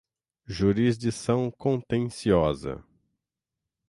jurisdição contenciosa